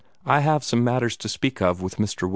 "I have some matters to speak of with Mr. Ware."